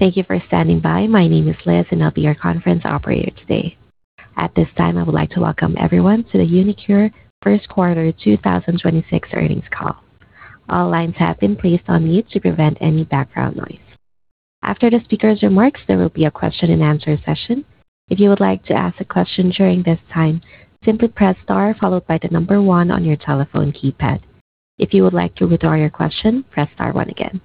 Thank you for standing by. My name is Liz, and I'll be your conference operator today. At this time, I would like to welcome everyone to the uniQure first quarter 2026 earnings call. All lines have been placed on mute to prevent any background noise. After the speaker's remarks, there will be a question-and-answer session. If you would like to ask a question during this time, simply press star followed by the number one on your telephone keypad. If you would like to withdraw your question, press star one again.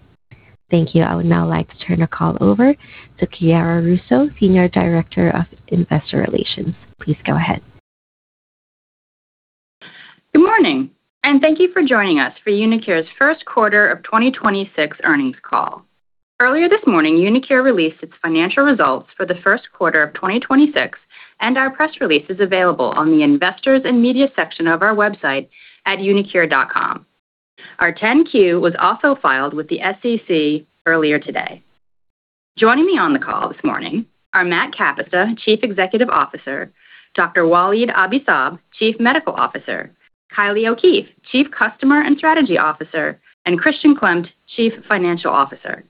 Thank you. I would now like to turn the call over to Chiara Russo, Senior Director of Investor Relations. Please go ahead. Good morning, thank you for joining us for uniQure's first quarter of 2026 earnings call. Earlier this morning, uniQure released its financial results for the first quarter of 2026, and our press release is available on the Investors and Media section of our website at uniqure.com. Our 10-Q was also filed with the SEC earlier today. Joining me on the call this morning are Matt Kapusta, Chief Executive Officer, Dr. Walid Abi-Saab, Chief Medical Officer, Kylie O'Keefe, Chief Customer and Strategy Officer, and Christian Klemt, Chief Financial Officer.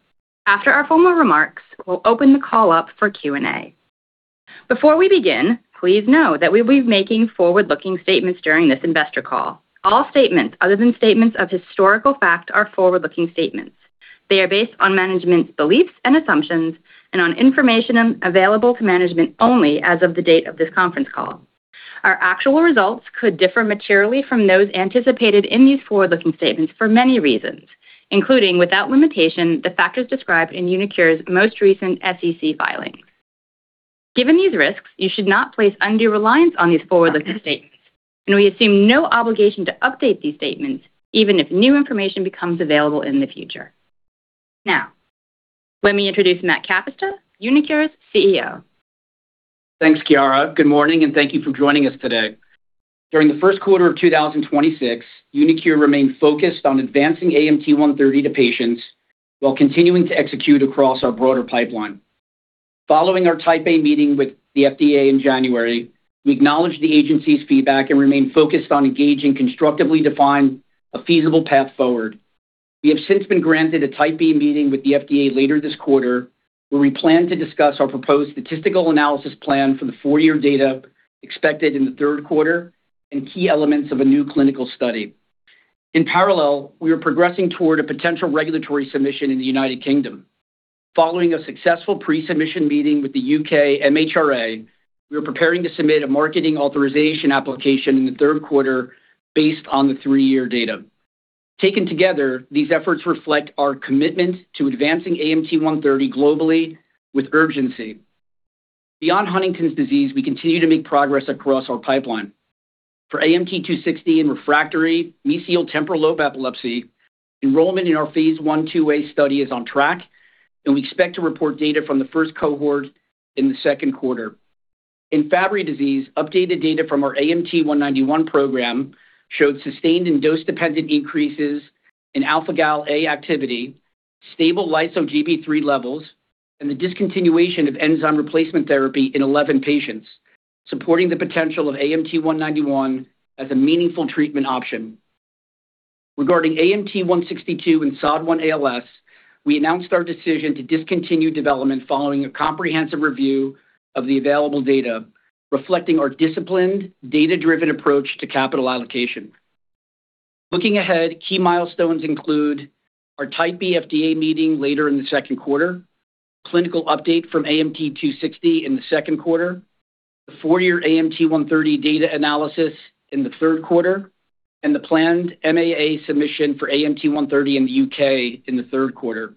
After our formal remarks, we'll open the call up for Q&A. Before we begin, please know that we will be making forward-looking statements during this investor call. All statements other than statements of historical fact are forward-looking statements. They are based on management's beliefs and assumptions and on information available to management only as of the date of this conference call. Our actual results could differ materially from those anticipated in these forward-looking statements for many reasons, including, without limitation, the factors described in uniQure's most recent SEC filings. Given these risks, you should not place undue reliance on these forward-looking statements, and we assume no obligation to update these statements even if new information becomes available in the future. Now, let me introduce Matt Kapusta, uniQure's CEO. Thanks, Chiara. Good morning, thank you for joining us today. During the first quarter of 2026, uniQure remained focused on advancing AMT-130 to patients while continuing to execute across our broader pipeline. Following our Type A meeting with the FDA in January, we acknowledged the agency's feedback and remain focused on engaging constructively to find a feasible path forward. We have since been granted a Type B meeting with the FDA later this quarter, where we plan to discuss our proposed statistical analysis plan for the data expected in the third quarter and key elements of a new clinical study. In parallel, we are progressing toward a potential regulatory submission in the U.K. Following a successful pre-submission meeting with the U.K. MHRA, we are preparing to submit a marketing authorization application in the third quarter based on the three-year data. Taken together, these efforts reflect our commitment to advancing AMT-130 globally with urgency. Beyond Huntington's disease, we continue to make progress across our pipeline. For AMT-260 in refractory mesial temporal lobe epilepsy, enrollment in our phase I/II-A study is on track, and we expect to report data from the first cohort in the second quarter. In Fabry disease, updated data from our AMT-191 program showed sustained and dose-dependent increases in alpha gal A activity, stable lyso-Gb3 levels, and the discontinuation of enzyme replacement therapy in 11 patients, supporting the potential of AMT-191 as a meaningful treatment option. Regarding AMT-162 in SOD1-ALS, we announced our decision to discontinue development following a comprehensive review of the available data, reflecting our disciplined data-driven approach to capital allocation. Looking ahead, key milestones include our Type B FDA meeting later in the second quarter, clinical update from AMT-260 in the second quarter, the four-year AMT-130 data analysis in the third quarter, and the planned MAA submission for AMT-130 in the U.K. in the third quarter.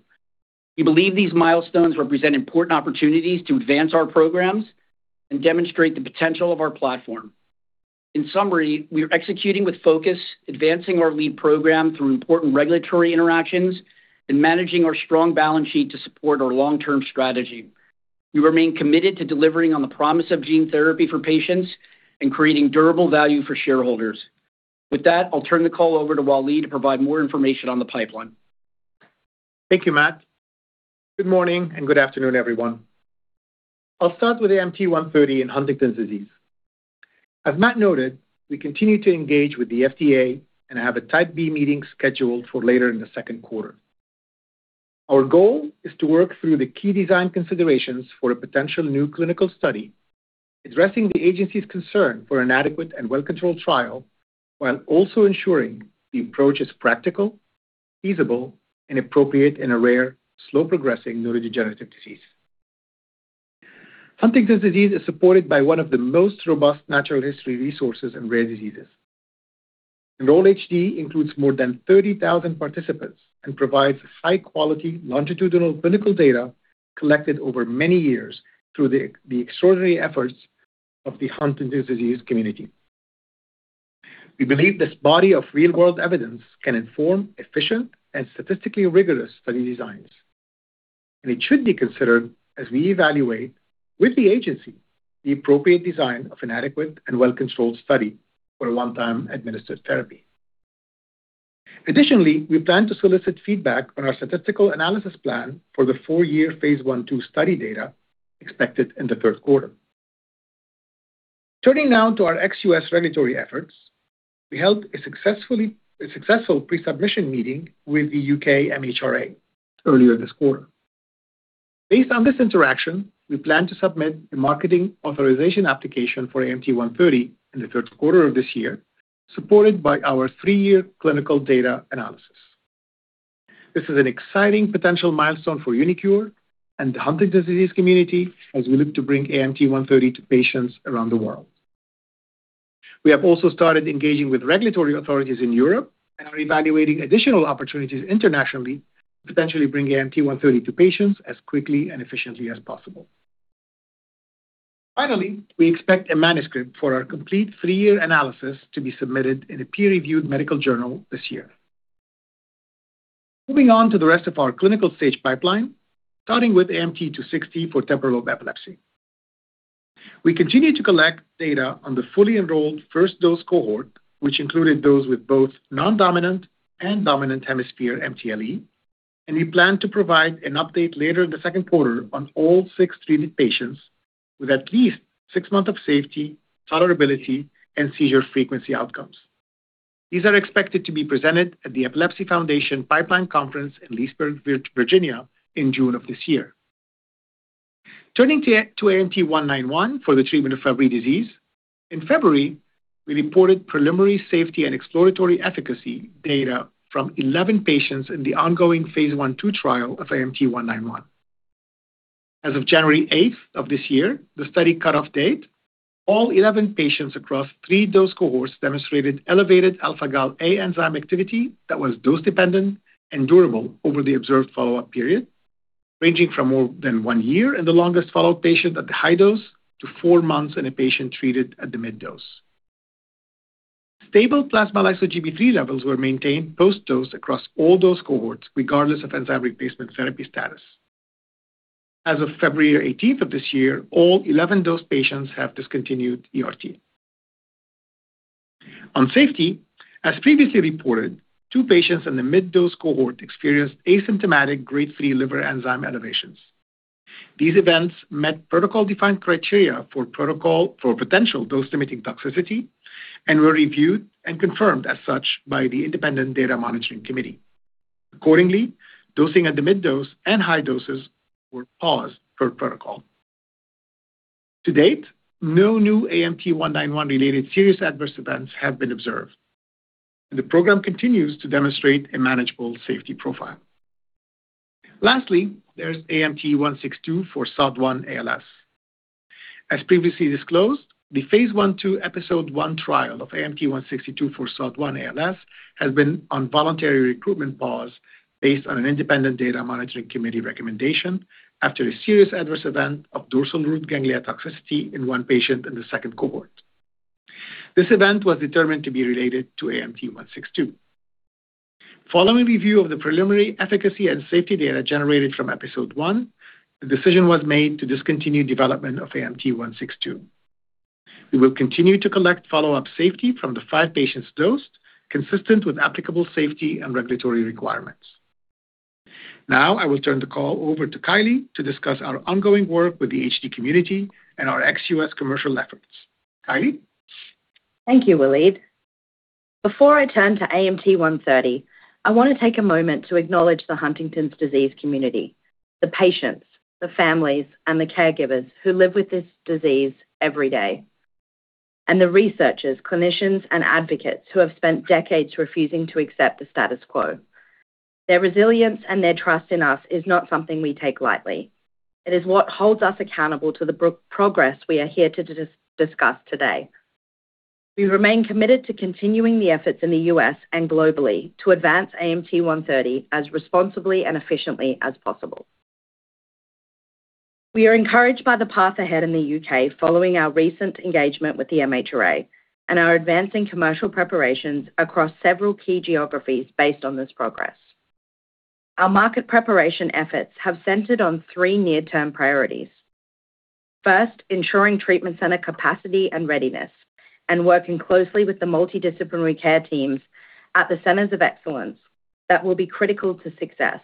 We believe these milestones represent important opportunities to advance our programs and demonstrate the potential of our platform. In summary, we are executing with focus, advancing our lead program through important regulatory interactions and managing our strong balance sheet to support our long-term strategy. We remain committed to delivering on the promise of gene therapy for patients and creating durable value for shareholders. With that, I'll turn the call over to Walid to provide more information on the pipeline. Thank you, Matt. Good morning and good afternoon, everyone. I'll start with AMT-130 in Huntington's disease. As Matt noted, we continue to engage with the FDA and have a Type B meeting scheduled for later in the second quarter. Our goal is to work through the key design considerations for a potential new clinical study, addressing the agency's concern for an adequate and well-controlled trial while also ensuring the approach is practical, feasible, and appropriate in a rare, slow-progressing neurodegenerative disease. Huntington's disease is supported by one of the most robust natural history resources in rare diseases. Enroll-HD includes more than 30,000 participants and provides high-quality longitudinal clinical data collected over many years through the extraordinary efforts of the Huntington's disease community. We believe this body of real-world evidence can inform efficient and statistically rigorous study designs, and it should be considered as we evaluate with the agency the appropriate design of a one-time administered therapy. Additionally, we plan to solicit feedback on our statistical analysis plan for the phase I, II study data expected in the third quarter. Turning now to our ex-U.S. regulatory efforts, we held a successful pre-submission meeting with the U.K. MHRA earlier this quarter. Based on this interaction, we plan to submit a marketing authorization application for AMT-130 in the third quarter of this year, supported by our three-year clinical data analysis. This is an exciting potential milestone for uniQure and the Huntington's disease community as we look to bring AMT-130 to patients around the world. We have also started engaging with regulatory authorities in Europe and are evaluating additional opportunities internationally to potentially bring AMT-130 to patients as quickly and efficiently as possible. Finally, we expect a manuscript for our complete three-year analysis to be submitted in a peer-reviewed medical journal this year. Moving on to the rest of our clinical stage pipeline, starting with AMT-260 for temporal lobe epilepsy. We continue to collect data on the fully enrolled first dose cohort, which included those with both non-dominant and dominant hemisphere MTLE, and we plan to provide an update later in the second quarter on all six treated patients with at least six months of safety, tolerability, and seizure frequency outcomes. These are expected to be presented at the Epilepsy Foundation Pipeline Conference in Leesburg, Virginia in June of this year. Turning to AMT-191 for the treatment of Fabry disease. In February, we reported preliminary safety and exploratory efficacy data from 11 patients in the ongoing phase I/II trial of AMT-191. As of January 8th of this year, the study cutoff date, all 11 patients across three dose cohorts demonstrated elevated alpha-galactosidase A enzyme activity that was dose-dependent and durable over the observed follow-up period, ranging from more than one year in the longest follow-up patient at the high dose to four months in a patient treated at the mid dose. Stable plasma lyso-Gb3 levels were maintained post-dose across all dose cohorts regardless of enzyme replacement therapy status. As of February 18th of this year, all 11 dosed patients have discontinued ERT. On safety, as previously reported, two patients in the mid-dose cohort experienced asymptomatic grade 3 liver enzyme elevations. These events met protocol-defined criteria for potential dose-limiting toxicity and were reviewed and confirmed as such by the independent data monitoring committee. Accordingly, dosing at the mid dose and high doses were paused per protocol. To date, no new AMT-191-related serious adverse events have been observed. The program continues to demonstrate a manageable safety profile. Lastly, there's AMT-162 for SOD1-ALS. As previously disclosed, the phase I/II EPISOD1 trial of AMT-162 for SOD1-ALS has been on voluntary recruitment pause based on an independent data monitoring committee recommendation after a serious adverse event of dorsal root ganglia toxicity in one patient in the second cohort. This event was determined to be related to AMT-162. Following review of the preliminary efficacy and safety data generated from EPISOD1, the decision was made to discontinue development of AMT-162. We will continue to collect follow-up safety from the five patients dosed, consistent with applicable safety and regulatory requirements. Now I will turn the call over to Kylie to discuss our ongoing work with the HD community and our ex-US commercial efforts. Kylie? Thank you, Walid. Before I turn to AMT-130, I want to take a moment to acknowledge the Huntington's disease community, the patients, the families, and the caregivers who live with this disease every day, and the researchers, clinicians, and advocates who have spent decades refusing to accept the status quo. Their resilience and their trust in us is not something we take lightly. It is what holds us accountable to progress we are here to discuss today. We remain committed to continuing the efforts in the U.S. and globally to advance AMT-130 as responsibly and efficiently as possible. We are encouraged by the path ahead in the U.K. following our recent engagement with the MHRA and are advancing commercial preparations across several key geographies based on this progress. Our market preparation efforts have centered on three near-term priorities. First, ensuring treatment center capacity and readiness and working closely with the multidisciplinary care teams at the centers of excellence that will be critical to success.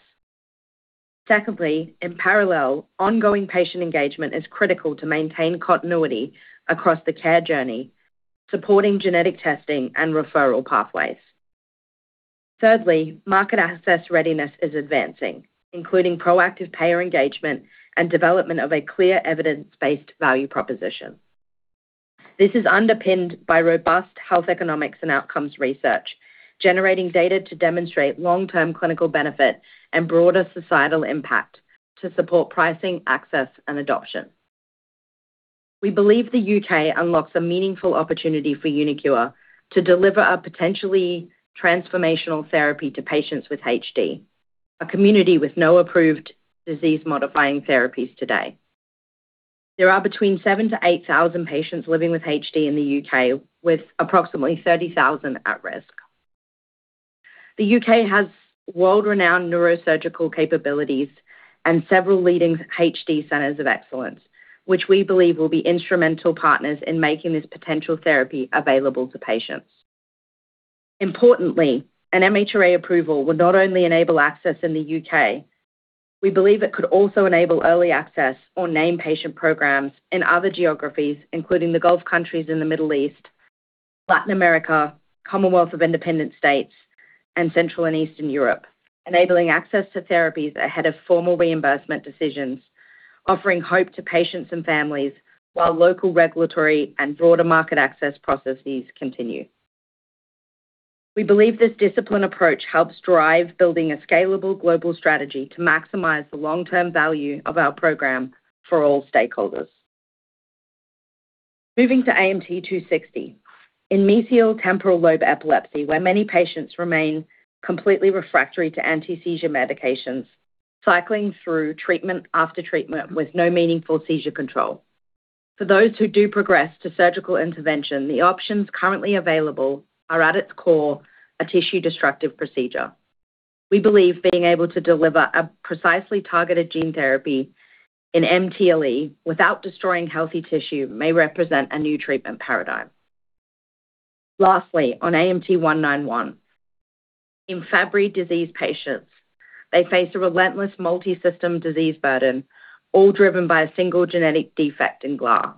Secondly, in parallel, ongoing patient engagement is critical to maintain continuity across the care journey, supporting genetic testing and referral pathways. Thirdly, market access readiness is advancing, including proactive payer engagement and development of a clear evidence-based value proposition. This is underpinned by robust health economics and outcomes research, generating data to demonstrate long-term clinical benefit and broader societal impact to support pricing, access, and adoption. We believe the U.K. unlocks a meaningful opportunity for uniQure to deliver a potentially transformational therapy to patients with HD, a community with no approved disease-modifying therapies today. There are between 7,000-8,000 patients living with HD in the U.K., with approximately 30,000 at risk. The U.K. has world-renowned neurosurgical capabilities and several leading HD centers of excellence, which we believe will be instrumental partners in making this potential therapy available to patients. Importantly, an MHRA approval would not only enable access in the U.K. We believe it could also enable early access or name patient programs in other geographies, including the Gulf countries in the Middle East, Latin America, Commonwealth of Independent States, and Central and Eastern Europe, enabling access to therapies ahead of formal reimbursement decisions, offering hope to patients and families while local regulatory and broader market access processes continue. We believe this discipline approach helps drive building a scalable global strategy to maximize the long-term value of our program for all stakeholders. Moving to AMT-260. In mesial temporal lobe epilepsy, where many patients remain completely refractory to anti-seizure medications, cycling through treatment after treatment with no meaningful seizure control. For those who do progress to surgical intervention, the options currently available are at its core, a tissue-destructive procedure. We believe being able to deliver a precisely targeted gene therapy in MTLE without destroying healthy tissue may represent a new treatment paradigm. Lastly, on AMT-191. In Fabry disease patients, they face a relentless multi-system disease burden, all driven by a single genetic defect in GLA.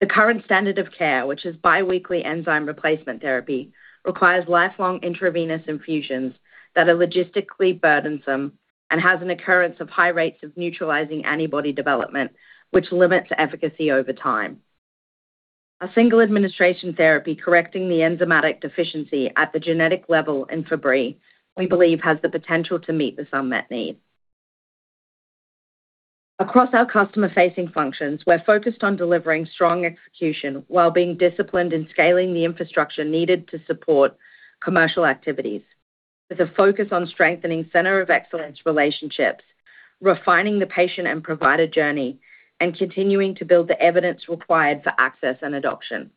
The current standard of care, which is biweekly enzyme replacement therapy, requires lifelong intravenous infusions that are logistically burdensome and has an occurrence of high rates of neutralizing antibody development, which limits efficacy over time. A single administration therapy correcting the enzymatic deficiency at the genetic level in Fabry, we believe has the potential to meet this unmet need. Across our customer-facing functions, we're focused on delivering strong execution while being disciplined in scaling the infrastructure needed to support commercial activities with a focus on strengthening center of excellence relationships, refining the patient and provider journey, and continuing to build the evidence required for access and adoption.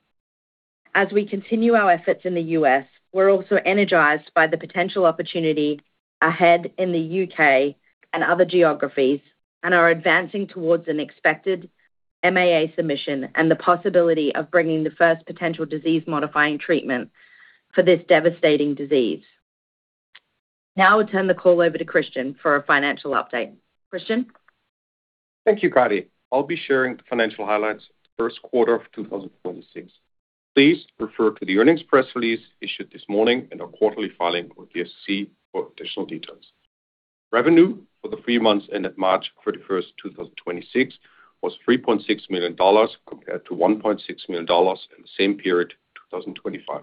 As we continue our efforts in the U.S., we're also energized by the potential opportunity ahead in the U.K. and other geographies and are advancing towards an expected MAA submission and the possibility of bringing the first potential disease-modifying treatment for this devastating disease. Now I'll turn the call over to Christian for a financial update. Christian. Thank you, Kylie. I'll be sharing the financial highlights for the first quarter of 2026. Please refer to the earnings press release issued this morning and our quarterly filing with the SEC for additional details. Revenue for the three months ended March 31st, 2026, was $3.6 million compared to $1.6 million in the same period, 2025.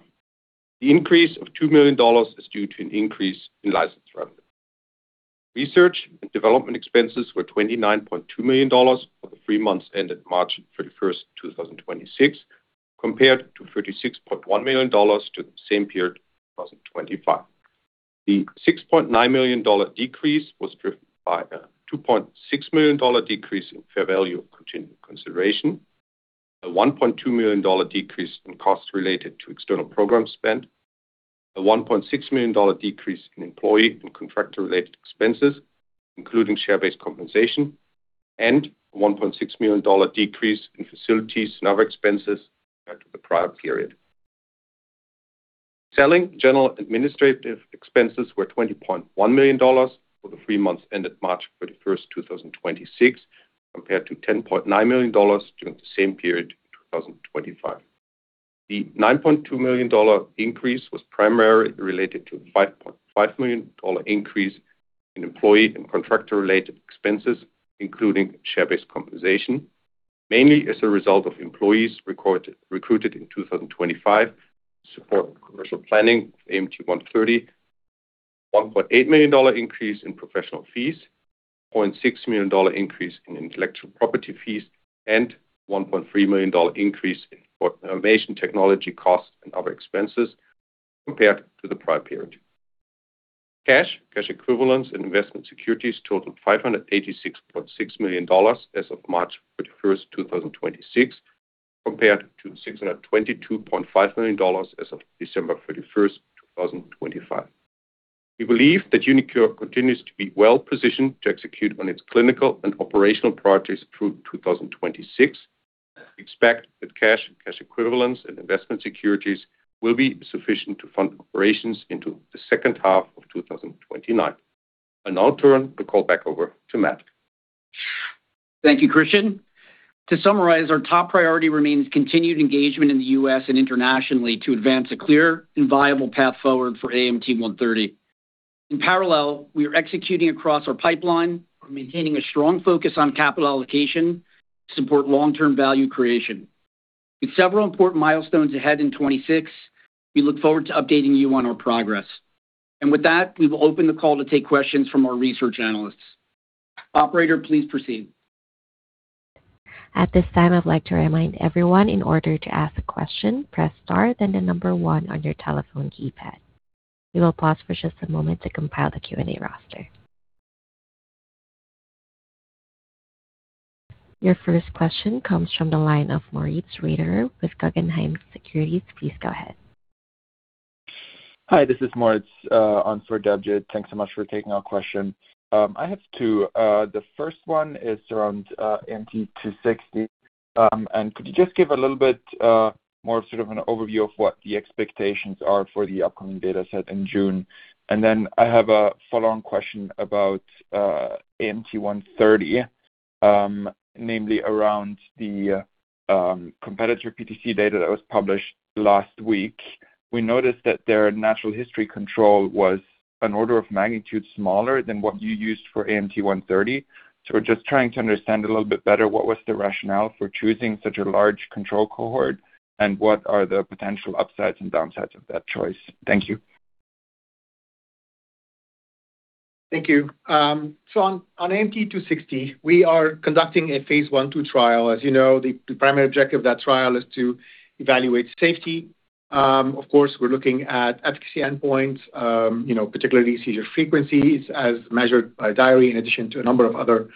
The increase of $2 million is due to an increase in license revenue. Research and development expenses were $29.2 million for the three months ended March 31st, 2026, compared to $36.1 million to the same period, 2025. The $6.9 million decrease was driven by a $2.6 million decrease in fair value of continued consideration, a $1.2 million decrease in costs related to external program spend, a $1.6 million decrease in employee and contractor-related expenses, including share-based compensation, and a $1.6 million decrease in facilities and other expenses compared to the prior period. Selling General Administrative Expenses were $20.1 million for the three months ended March 31, 2026, compared to $10.9 million during the same period, 2025. The $9.2 million increase was primarily related to a $5.5 million increase in employee and contractor-related expenses, including share-based compensation, mainly as a result of employees record-recruited in 2025 to support commercial planning for AMT-130, $1.8 million increase in professional fees, $0.6 million increase in intellectual property fees, and $1.3 million increase in information technology costs and other expenses compared to the prior period. Cash, cash equivalents and investment securities totaled $586.6 million as of March 31, 2026, compared to $622.5 million as of December 31, 2025. We believe that uniQure continues to be well-positioned to execute on its clinical and operational projects through 2026. We expect that cash and cash equivalents and investment securities will be sufficient to fund operations into the second half of 2029. I'll now turn the call back over to Matt. Thank you, Christian. To summarize, our top priority remains continued engagement in the U.S. and internationally to advance a clear and viable path forward for AMT-130. In parallel, we are executing across our pipeline and maintaining a strong focus on capital allocation to support long-term value creation. With several important milestones ahead in 2026, we look forward to updating you on our progress. With that, we will open the call to take questions from our research analysts. Operator, please proceed. At this time, I'd like to remind everyone in order to ask a question, press star then the number one on your telephone keypad. We will pause for just a moment to compile the Q&A roster. Your first question comes from the line of Moritz Reiterer with Guggenheim Securities. Please go ahead. Hi, this is Moritz on for David. Thanks so much for taking our question. I have two. The first one is around AMT-260. Could you just give a little bit more sort of an overview of what the expectations are for the upcoming dataset in June? I have a follow-on question about AMT-130, namely around the competitor PTC data that was published last week. We noticed that their natural history control was an order of magnitude smaller than what you used for AMT-130. Just trying to understand a little bit better what was the rationale for choosing such a large control cohort, and what are the potential upsides and downsides of that choice? Thank you. Thank you. On AMT-260, we are conducting a phase I/II trial. As you know, the primary objective of that trial is to evaluate safety. Of course, we're looking at efficacy endpoints, you know, particularly seizure frequencies as measured by a diary in addition to a number of other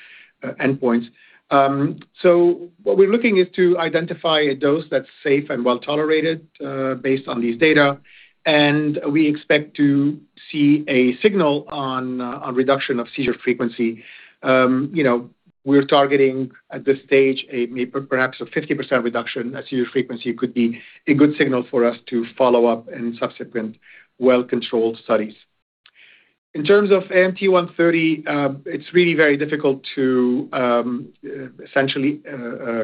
endpoints. What we're looking is to identify a dose that's safe and well-tolerated, based on these data, and we expect to see a signal on a reduction of seizure frequency. You know, we're targeting at this stage a maybe perhaps a 50% reduction in seizure frequency could be a good signal for us to follow up in subsequent well-controlled studies. In terms of AMT-130, it's really very difficult to essentially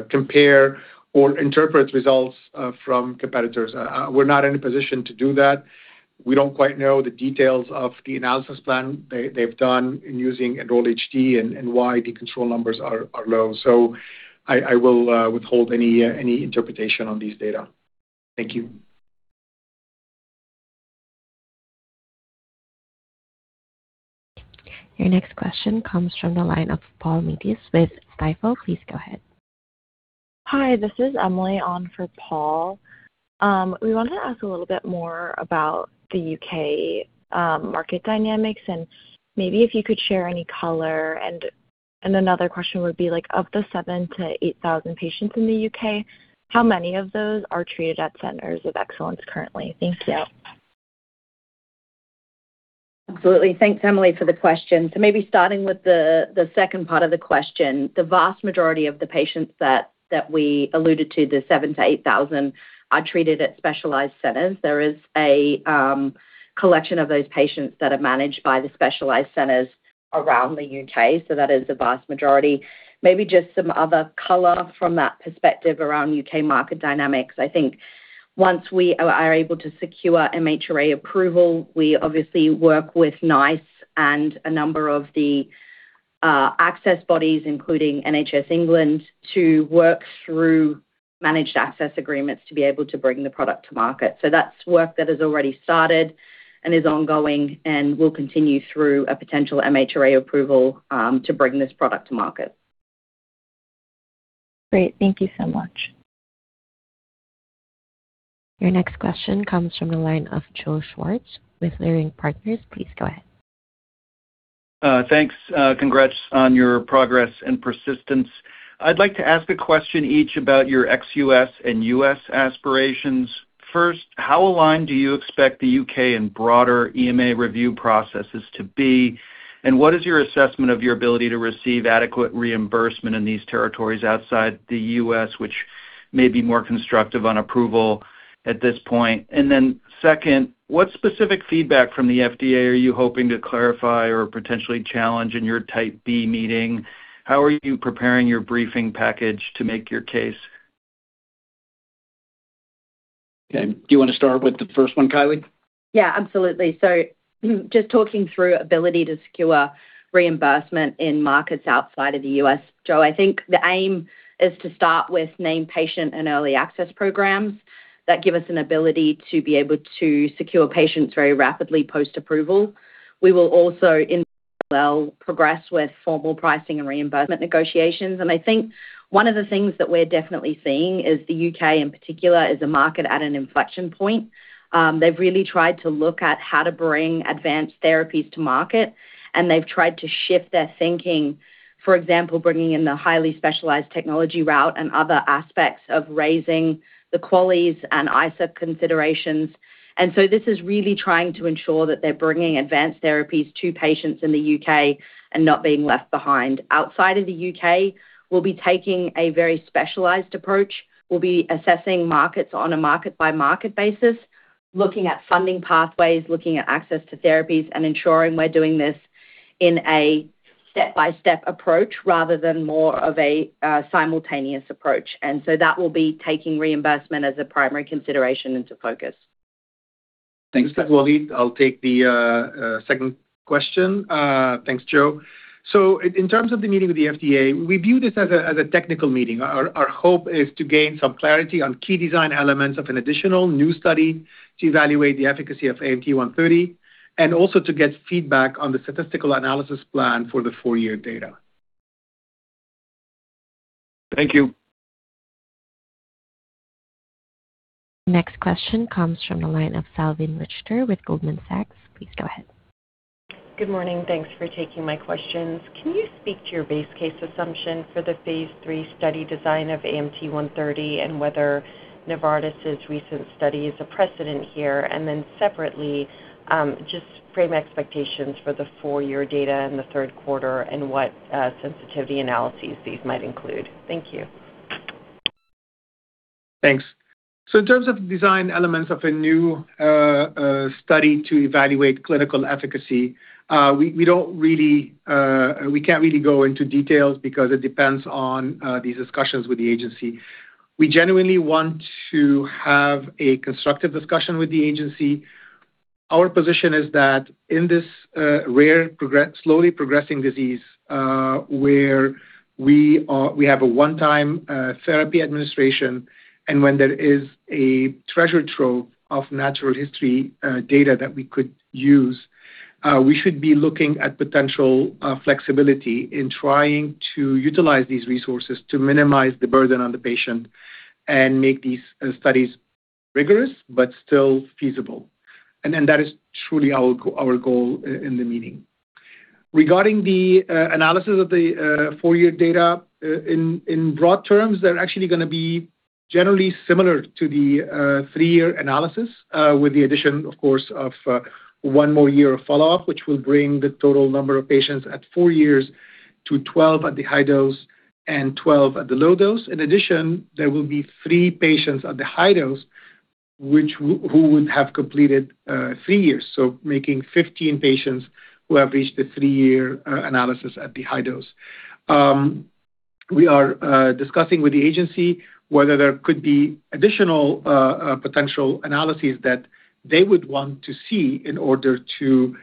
compare or interpret results from competitors. We're not in a position to do that. We don't quite know the details of the analysis plan they've done in using Enroll-HD and why the control numbers are low. I will withhold any interpretation on these data. Thank you. Your next question comes from the line of Paul Matteis with Stifel. Please go ahead. Hi, this is Emily on for Paul. We wanted to ask a little bit more about the U.K. market dynamics, maybe if you could share any color. Another question would be like, of the 7,000 to 8,000 patients in the U.K., how many of those are treated at centers of excellence currently? Thank you. Absolutely. Thanks, Emily, for the question. Maybe starting with the second part of the question. The vast majority of the patients that we alluded to, the 7,000-8,000, are treated at specialized centers. There is a collection of those patients that are managed by the specialized centers around the U.K., that is the vast majority. Maybe just some other color from that perspective around U.K. market dynamics. I think once we are able to secure MHRA approval, we obviously work with NICE and a number of the access bodies, including NHS England, to work through managed access agreements to be able to bring the product to market. That's work that has already started and is ongoing and will continue through a potential MHRA approval to bring this product to market. Great. Thank you so much. Your next question comes from the line of Joe Schwartz with Leerink Partners. Please go ahead. Thanks. Congrats on your progress and persistence. I'd like to ask a question each about your ex-U.S. and U.S. aspirations. First, how aligned do you expect the U.K. and broader EMA review processes to be, and what is your assessment of your ability to receive adequate reimbursement in these territories outside the U.S., which may be more constructive on approval at this point? Second, what specific feedback from the FDA are you hoping to clarify or potentially challenge in your Type B meeting? How are you preparing your briefing package to make your case? Okay. Do you wanna start with the first one, Kylie? Yeah, absolutely. Just talking through ability to secure reimbursement in markets outside of the U.S., Joe, I think the aim is to start with named patient and early access programs that give us an ability to be able to secure patients very rapidly post-approval. We will also in parallel progress with formal pricing and reimbursement negotiations. I think one of the things that we're definitely seeing is the U.K. in particular is a market at an inflection point. They've really tried to look at how to bring advanced therapies to market, and they've tried to shift their thinking. For example, bringing in the Highly Specialized Technology route and other aspects of raising the QALY and ICER considerations. This is really trying to ensure that they're bringing advanced therapies to patients in the U.K. and not being left behind. Outside of the U.K., we'll be taking a very specialized approach. We'll be assessing markets on a market-by-market basis, looking at funding pathways, looking at access to therapies, and ensuring we're doing this in a step-by-step approach rather than more of a simultaneous approach. That will be taking reimbursement as a primary consideration into focus. Thanks. This is Walid. I'll take the second question. Thanks, Joe. In terms of the meeting with the FDA, we view this as a technical meeting. Our hope is to gain some clarity on key design elements of an additional new study to evaluate the efficacy of AMT-130 and also to get feedback on the statistical analysis plan for the data. Thank you. Next question comes from the line of Salveen Richter with Goldman Sachs. Please go ahead. Good morning. Thanks for taking my questions. Can you speak to your base case assumption for the phase III study design of AMT-130 and whether Novartis' recent study is a precedent here? Separately, just frame expectations for the four-year data in the third quarter and what sensitivity analyses these might include. Thank you. Thanks. In terms of design elements of a new study to evaluate clinical efficacy, we can't really go into details because it depends on these discussions with the agency. We genuinely want to have a constructive discussion with the agency. Our position is that in this rare slowly progressing disease, where we have a one-time therapy administration and when there is a treasure trove of natural history data that we could use, we should be looking at potential flexibility in trying to utilize these resources to minimize the burden on the patient and make these studies rigorous but still feasible. That is truly our goal in the meeting. Regarding the analysis of the four-year data, in broad terms, they're actually going to be generally similar to the three-year analysis, with the addition, of course, of one more year of follow-up, which will bring the total number of patients at four years to 12 at the high dose and 12 at the low dose. In addition, there will be three patients at the high dose who would have completed three years, so making 15 patients who have reached the three-year analysis at the high dose. We are discussing with the agency whether there could be additional potential analyses that they would want to see in order to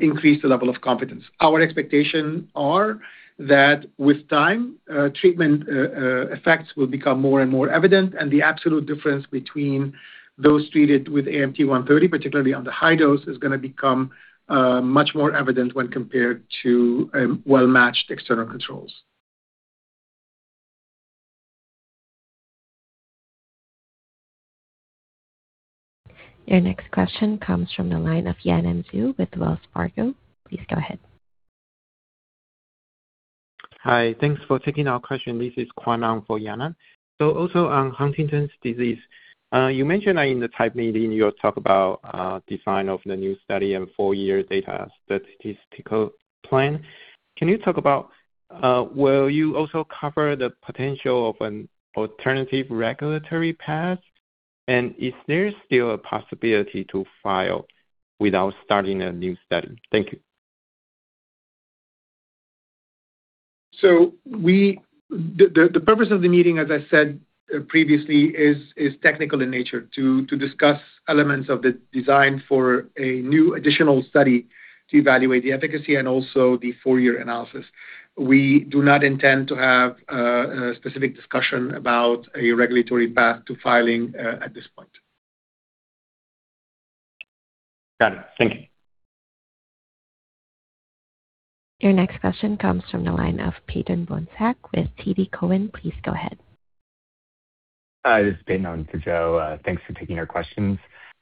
increase the level of confidence. Our expectation are that with time, treatment effects will become more and more evident, and the absolute difference between those treated with AMT-130, particularly on the high dose, is gonna become much more evident when compared to well-matched external controls. Your next question comes from the line of Yanan Zhu with Wells Fargo. Please go ahead. Hi. Thanks for taking our question. This is Quan on for Yanan. Also on Huntington's disease, you mentioned that in the Type meeting you'll talk about, design of the new study and data statistical plan. Can you talk about, will you also cover the potential of an alternative regulatory path? Is there still a possibility to file without starting a new study? Thank you. The purpose of the meeting, as I said previously, is technical in nature to discuss elements of the design for a new additional study to evaluate the efficacy and also the analysis. We do not intend to have a specific discussion about a regulatory path to filing at this point. Got it. Thank you. Your next question comes from the line of Peyton Bohnsack with TD Cowen. Please go ahead. Hi. This is Peyton on for Joe. Thanks for taking our questions.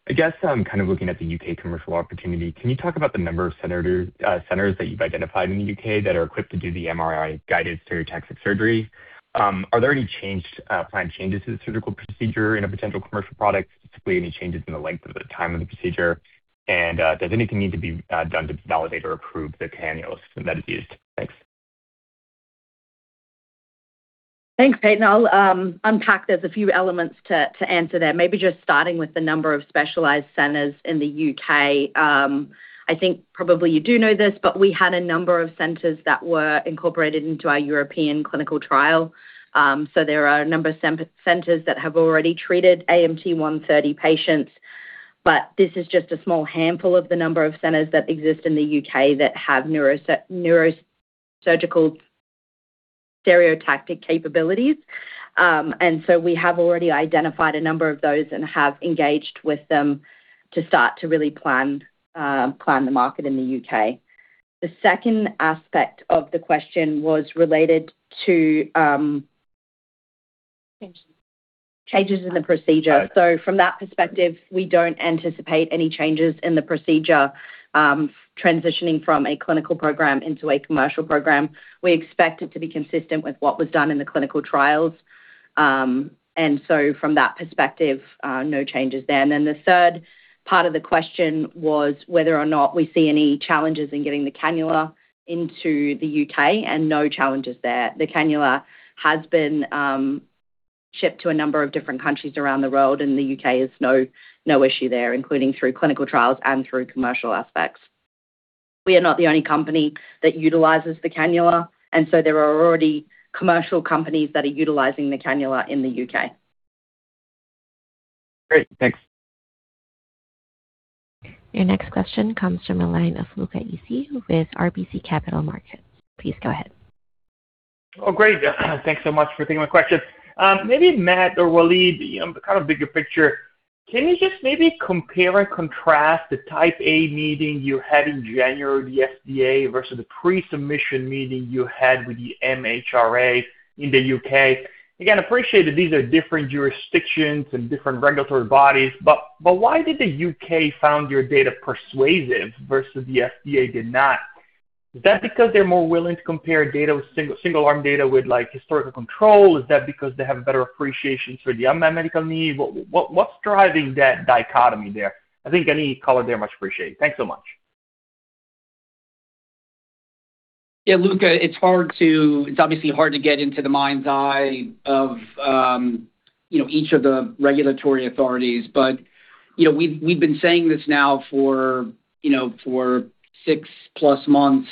I guess I'm kind of looking at the U.K. commercial opportunity. Can you talk about the number of centers that you've identified in the U.K. that are equipped to do the MRI-guided stereotactic surgery? Are there any changed, planned changes to the surgical procedure in a potential commercial product, specifically any changes in the length of the time of the procedure? Does anything need to be done to validate or approve the cannulas that is used? Thanks. Thanks, Peyton. I'll unpack. There's a few elements to answer there. Maybe just starting with the number of specialized centers in the U.K. I think probably you do know this, but we had a number of centers that were incorporated into our European clinical trial. There are a number of centers that have already treated AMT-130 patients. This is just a small handful of the number of centers that exist in the U.K. that have neurosurgical stereotactic capabilities. We have already identified a number of those and have engaged with them to start to really plan the market in the U.K. The second aspect of the question was related to changes in the procedure. From that perspective, we don't anticipate any changes in the procedure, transitioning from a clinical program into a commercial program. We expect it to be consistent with what was done in the clinical trials. From that perspective, no changes there. The third part of the question was whether or not we see any challenges in getting the cannula into the U.K., and no challenges there. The cannula has been shipped to a number of different countries around the world, and the U.K. is no issue there, including through clinical trials and through commercial aspects. We are not the only company that utilizes the cannula, and so there are already commercial companies that are utilizing the cannula in the U.K. Great. Thanks. Your next question comes from the line of Luca Issi with RBC Capital Markets. Please go ahead. Oh, great. Thanks so much for taking my questions. maybe Matt or Walid, you know, kind of bigger picture, can you just maybe compare and contrast the Type A meeting you had in January, the FDA, versus the pre-submission meeting you had with the MHRA in the U.K.? Again, appreciate that these are different jurisdictions and different regulatory bodies, but why did the U.K. found your data persuasive versus the FDA did not? Is that because they're more willing to compare data with single arm data with, like, historical control? Is that because they have a better appreciation for the unmet medical need? What's driving that dichotomy there? I think any color there much appreciated. Thanks so much. Luca, it's obviously hard to get into the mind's eye of, you know, each of the regulatory authorities. You know, we've been saying this now for, you know, for 6+ months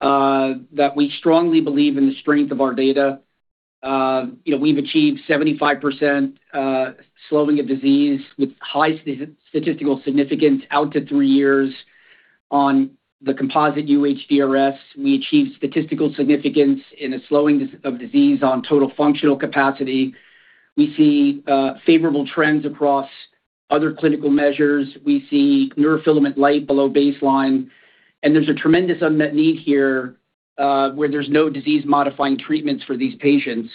that we strongly believe in the strength of our data. You know, we've achieved 75% slowing of disease with high statistical significance out to three years on the composite UHDRS. We achieved statistical significance in a slowing of disease on Total Functional Capacity. We see favorable trends across other clinical measures. We see neurofilament light below baseline. There's a tremendous unmet need here where there's no disease-modifying treatments for these patients.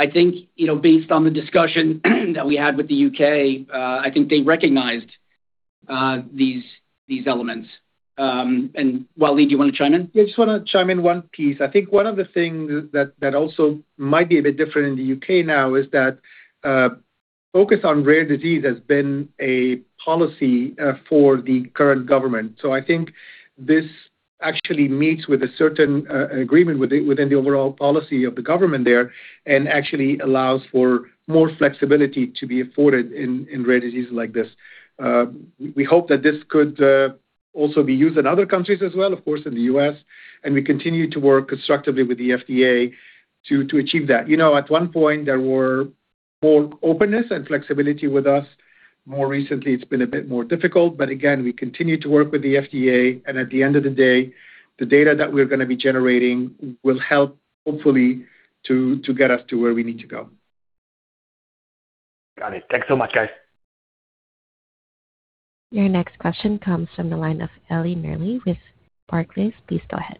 I think, you know, based on the discussion that we had with the U.K., I think they recognized these elements. Walid, do you wanna chime in? Yeah, I just wanna chime in one piece. I think one of the things that also might be a bit different in the U.K. now is that focus on rare disease has been a policy for the current government. I think this actually meets with a certain agreement within the overall policy of the government there and actually allows for more flexibility to be afforded in rare diseases like this. We hope that this could also be used in other countries as well, of course, in the U.S., and we continue to work constructively with the FDA to achieve that. You know, at one point, there were more openness and flexibility with us. More recently, it's been a bit more difficult. Again, we continue to work with the FDA, and at the end of the day, the data that we're gonna be generating will help, hopefully, to get us to where we need to go. Got it. Thanks so much, guys. Your next question comes from the line of Ellie Merle with Barclays. Please go ahead.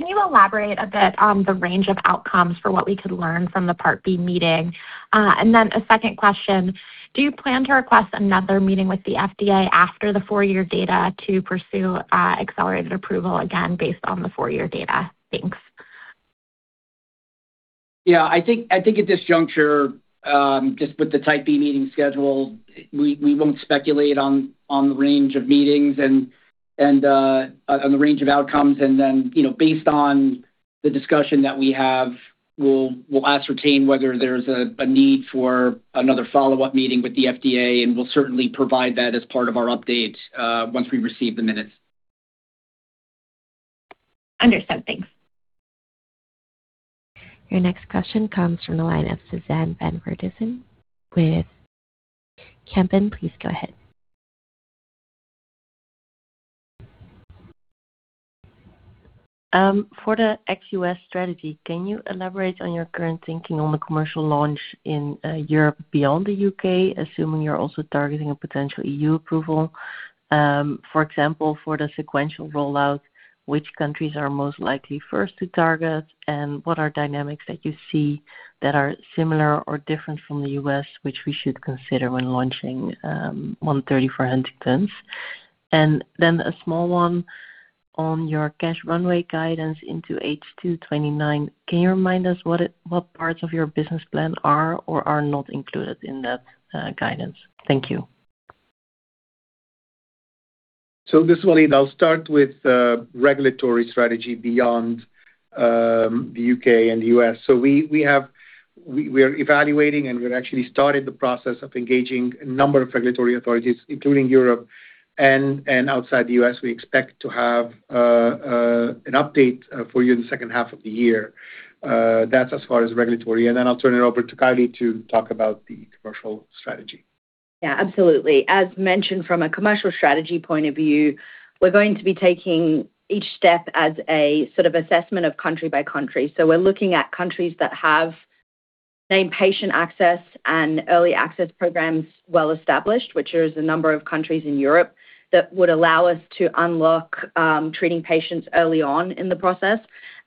Can you elaborate a bit on the range of outcomes for what we could learn from the Type B meeting? Then a second question, do you plan to request another meeting with the FDA after the data to pursue accelerated approval again based on the data? Thanks. Yeah. I think at this juncture, just with the Type B meeting scheduled, we won't speculate on the range of meetings and on the range of outcomes. Then, you know, based on the discussion that we have, we'll ascertain whether there's a need for another follow-up meeting with the FDA, and we'll certainly provide that as part of our update, once we receive the minutes. Understood. Thanks. Your next question comes from the line of Suzanne van Voorthuizen with Kempen. Please go ahead. For the ex-U.S. strategy, can you elaborate on your current thinking on the commercial launch in Europe beyond the U.K., assuming you're also targeting a potential EU approval? For example, for the sequential rollout, which countries are most likely first to target, and what are dynamics that you see that are similar or different from the U.S. which we should consider when launching 130 for Huntington's? A small one on your cash runway guidance into H2 2029. Can you remind us what parts of your business plan are or are not included in that guidance? Thank you. This is Walid. I'll start with regulatory strategy beyond the U.K. and the U.S. We are evaluating, and we've actually started the process of engaging a number of regulatory authorities, including Europe and outside the U.S. We expect to have an update for you in the second half of the year. That's as far as regulatory. I'll turn it over to Kylie to talk about the commercial strategy. Absolutely. As mentioned, from a commercial strategy point of view, we're going to be taking each step as a sort of assessment of country by country. We're looking at countries that have named patient access and early access programs well-established, which there's a number of countries in Europe that would allow us to unlock treating patients early on in the process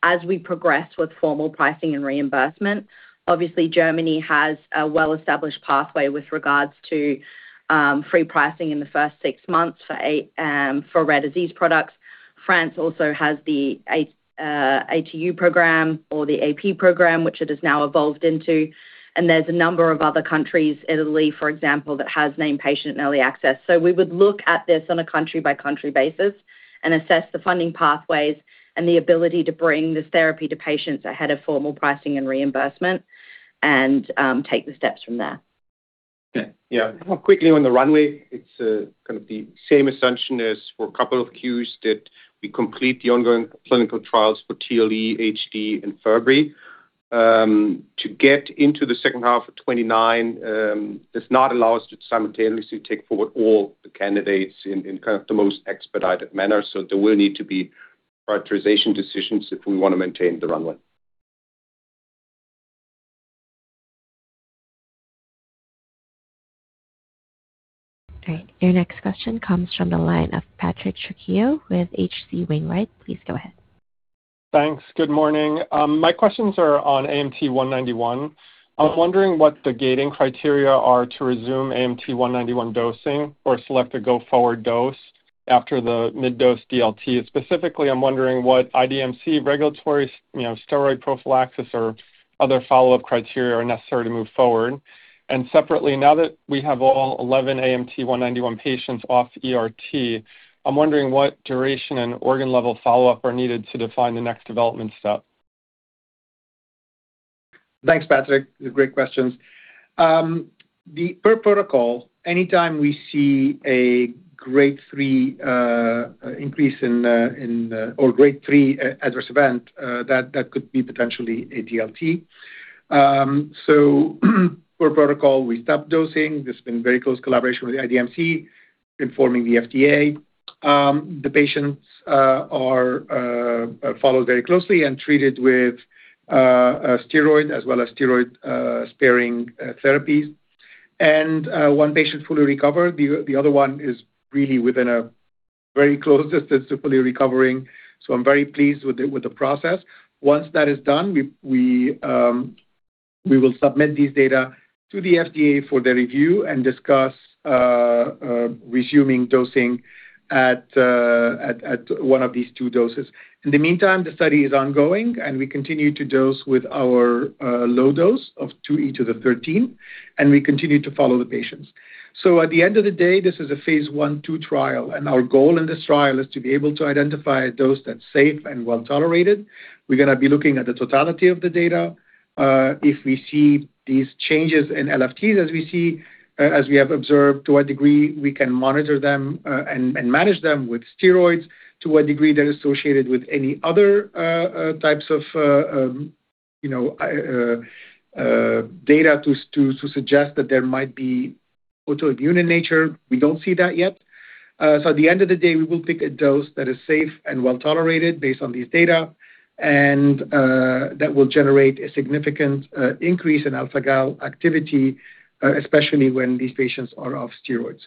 as we progress with formal pricing and reimbursement. Obviously, Germany has a well-established pathway with regards to free pricing in the first six months for a rare disease products. France also has the ATU program or the AAP program, which it has now evolved into. There's a number of other countries, Italy, for example, that has named patient and early access. We would look at this on a country-by-country basis and assess the funding pathways and the ability to bring this therapy to patients ahead of formal pricing and reimbursement and, take the steps from there. Yeah. Yeah. Quickly on the runway, it's kind of the same assumption as for a couple of cues that we complete the ongoing clinical trials for TLE, HD, and Fabry. To get into the second half of 2029 does not allow us to simultaneously take forward all the candidates in kind of the most expedited manner. There will need to be prioritization decisions if we wanna maintain the runway. All right. Your next question comes from the line of Patrick Trucchio with H.C. Wainwright. Please go ahead. Thanks. Good morning. My questions are on AMT-191. I'm wondering what the gating criteria are to resume AMT-191 dosing or select a go-forward dose After the mid dose DLT. Specifically, I'm wondering what IDMC regulatory, you know, steroid prophylaxis or other follow-up criteria are necessary to move forward. Separately, now that we have all 11 AMT-191 patients off ERT, I'm wondering what duration and organ level follow-up are needed to define the next development step. Thanks, Patrick. Great questions. The per protocol, anytime we see a grade 3 increase in the or grade 3 adverse event, that could be potentially a DLT. Per protocol, we stop dosing. There's been very close collaboration with the IDMC informing the FDA. The patients are followed very closely and treated with a steroid as well as steroid sparing therapies. One patient fully recovered. The other one is really within a very close statistically recovering. I'm very pleased with the process. Once that is done, we will submit these data to the FDA for their review and discuss resuming dosing at one of these two doses. In the meantime, the study is ongoing, we continue to dose with our low dose of 2E13, and we continue to follow the patients. At the end of the day, this is a phase I/II trial, our goal in this trial is to be able to identify a dose that's safe and well-tolerated. We're going to be looking at the totality of the data. If we see these changes in LFTs as we have observed, to what degree we can monitor them and manage them with steroids, to what degree they're associated with any other types of, you know, data to suggest that there might be autoimmune in nature. We don't see that yet. At the end of the day, we will pick a dose that is safe and well-tolerated based on these data, and that will generate a significant increase in alpha gal activity, especially when these patients are off steroids.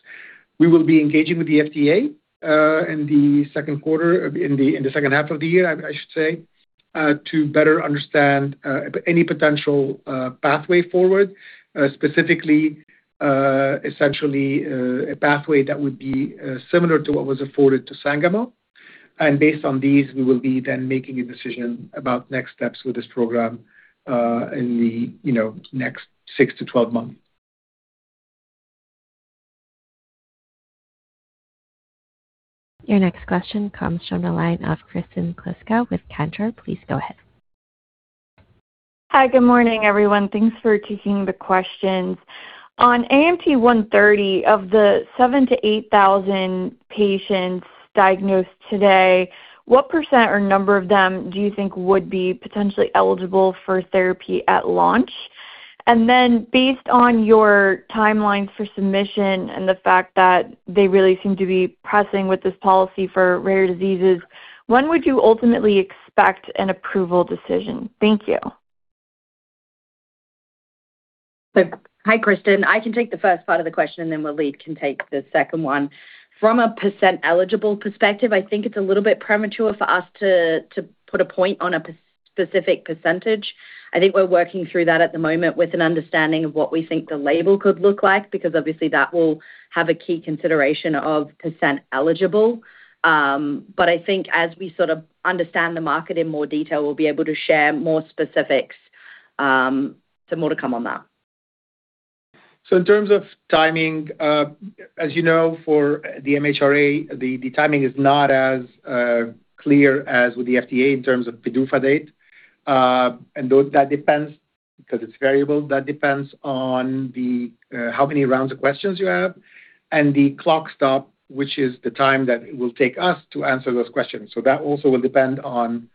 We will be engaging with the FDA in the second half of the year, I should say, to better understand any potential pathway forward, specifically, essentially, a pathway that would be similar to what was afforded to Sangamo. Based on these, we will be then making a decision about next steps with this program in the, you know, next six to 12 months. Your next question comes from the line of Kristen Kluska with Cantor. Please go ahead. Hi, good morning, everyone. Thanks for taking the questions. On AMT-130, of the 7,000-8,000 patients diagnosed today, what percent or number of them do you think would be potentially eligible for therapy at launch? Based on your timelines for submission and the fact that they really seem to be pressing with this policy for rare diseases, when would you ultimately expect an approval decision? Thank you. Hi, Kristen. I can take the first part of the question, and then Walid can take the second one. From a percent eligible perspective, I think it's a little bit premature for us to put a point on a specific percentage. I think we're working through that at the moment with an understanding of what we think the label could look like, because obviously that will have a key consideration of percent eligible. I think as we sort of understand the market in more detail, we'll be able to share more specifics, more to come on that. In terms of timing, as you know, for the MHRA, the timing is not as clear as with the FDA in terms of PDUFA date. Though that depends because it's variable, that depends on how many rounds of questions you have and the clock stop, which is the time that it will take us to answer those questions. That also will depend on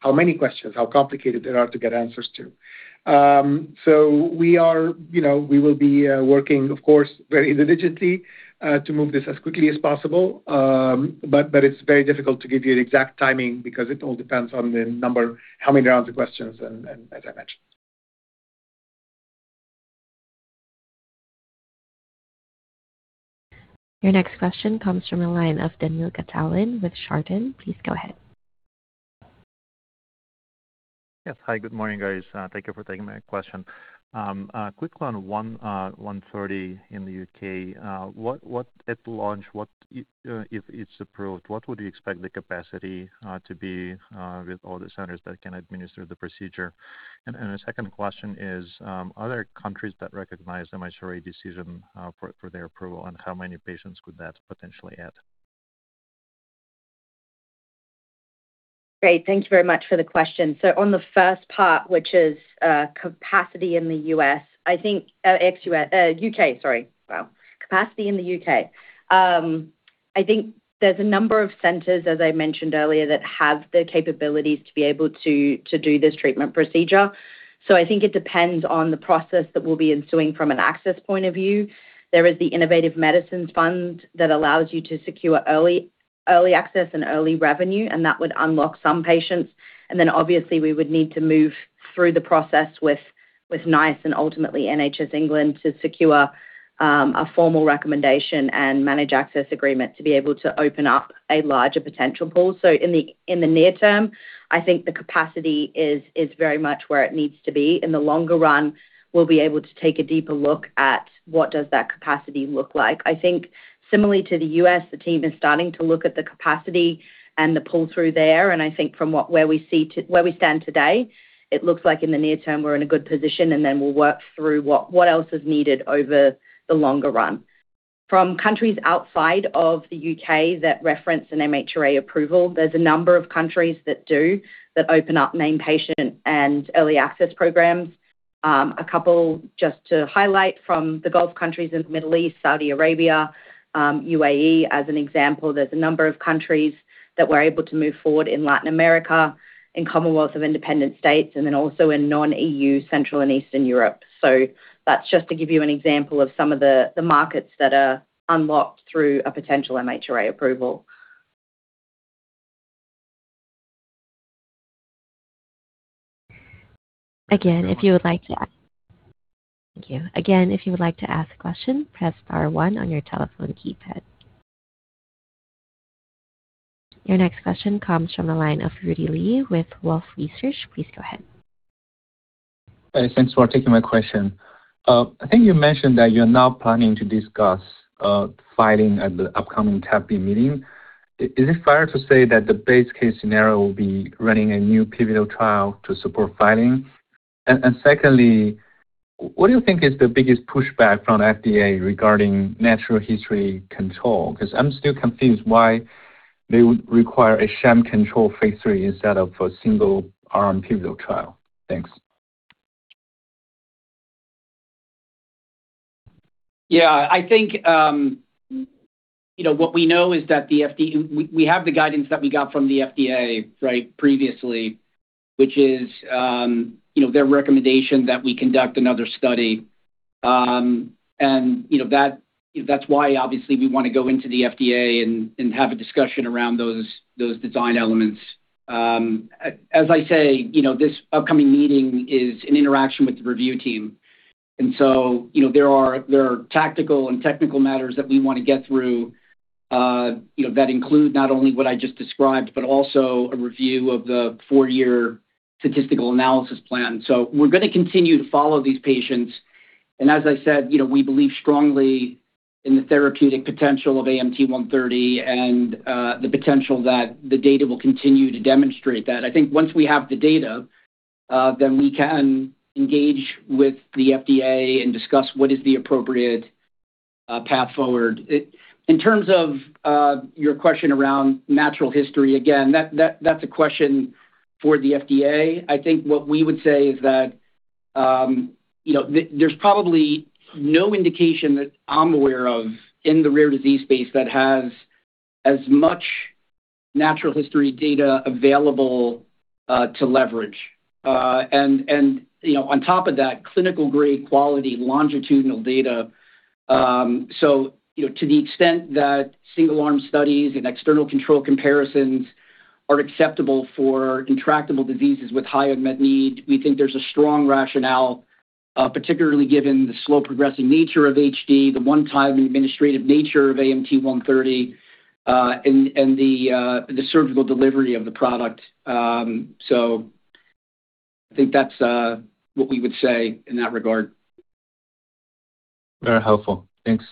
how many questions, how complicated they are to get answers to. We are, you know, we will be working, of course, very diligently to move this as quickly as possible. But it's very difficult to give you an exact timing because it all depends on the number, how many rounds of questions and as I mentioned. Your next question comes from a line of Daniil Gataulin with Chardan. Please go ahead. Yes. Hi, good morning, guys. Thank you for taking my question. Quick one, 1:30 in the U.K., what at launch, if it's approved, what would you expect the capacity to be with all the centers that can administer the procedure? The second question is, are there countries that recognize the MHRA decision for their approval, and how many patients could that potentially add? Great. Thank you very much for the question. On the first part, which is capacity in the U.S., I think, ex-U.S., U.K., sorry. Capacity in the U.K. I think there's a number of centers, as I mentioned earlier, that have the capabilities to be able to do this treatment procedure. I think it depends on the process that we'll be ensuing from an access point of view. There is the Innovative Medicines Fund that allows you to secure early access and early revenue, and that would unlock some patients. Obviously we would need to move through the process with NICE and ultimately NHS England to secure a formal recommendation and manage access agreement to be able to open up a larger potential pool. In the near term, I think the capacity is very much where it needs to be. In the longer run, we'll be able to take a deeper look at what does that capacity look like. I think similarly to the U.S., the team is starting to look at the capacity and the pull-through there. I think from where we stand today, it looks like in the near term we're in a good position, and then we'll work through what else is needed over the longer run. From countries outside of the U.K. that reference an MHRA approval, there's a number of countries that do that open up main patient and early access programs. A couple just to highlight from the Gulf countries in the Middle East, Saudi Arabia, UAE as an example. There's a number of countries that we're able to move forward in Latin America, in Commonwealth of Independent States, and then also in non-EU Central and Eastern Europe. That's just to give you an example of some of the markets that are unlocked through a potential MHRA approval. Thank you. Again, if you would like to ask a question, press star one on your telephone keypad. Your next question comes from the line of Rudy Li with Wolfe Research. Please go ahead. Thanks for taking my question. I think you mentioned that you're now planning to discuss filing at the upcoming Type B meeting. Is it fair to say that the base case scenario will be running a new pivotal trial to support filing? Secondly, what do you think is the biggest pushback from FDA regarding natural history control? 'Cause I'm still confused why they would require a sham control phase III instead of a single arm pivotal trial. Thanks. Yeah. I think, you know, what we know is that we have the guidance that we got from the FDA, right, previously, which is, you know, their recommendation that we conduct another study. You know, that's why obviously we wanna go into the FDA and have a discussion around those design elements. As I say, you know, this upcoming meeting is an interaction with the review team. You know, there are tactical and technical matters that we wanna get through, you know, that include not only what I just described, but also a review of the statistical analysis plan. We're gonna continue to follow these patients. As I said, you know, we believe strongly in the therapeutic potential of AMT-130 and the potential that the data will continue to demonstrate that. I think once we have the data, then we can engage with the FDA and discuss what is the appropriate path forward. In terms of your question around natural history, again, that's a question for the FDA. I think what we would say is that, you know, there's probably no indication that I'm aware of in the rare disease space that has as much natural history data available to leverage. You know, on top of that, clinical grade quality longitudinal data. You know, to the extent that single arm studies and external control comparisons are acceptable for intractable diseases with high unmet need, we think there's a strong rationale, particularly given the slow progressing nature of HD, the one-time administrative nature of AMT-130, and the surgical delivery of the product. I think that's what we would say in that regard. Very helpful. Thanks.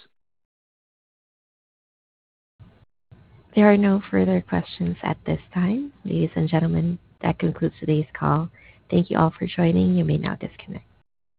There are no further questions at this time. Ladies and gentlemen, that concludes today's call. Thank you all for joining. You may now disconnect.